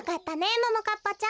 ももかっぱちゃん？